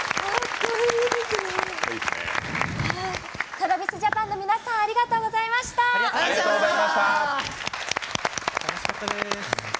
ＴｒａｖｉｓＪａｐａｎの皆さん、ありがとうございました。